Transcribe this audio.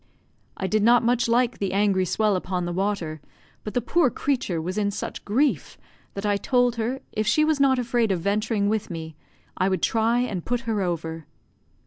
I did not much like the angry swell upon the water, but the poor creature was in such grief that I told her, if she was not afraid of venturing with me, I would try and put her over.